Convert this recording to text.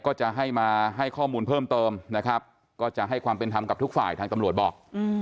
ก็จะให้มาให้ข้อมูลเพิ่มเติมนะครับก็จะให้ความเป็นธรรมกับทุกฝ่ายทางตำรวจบอก